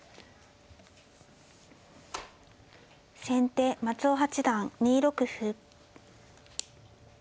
先手松尾八段２六歩。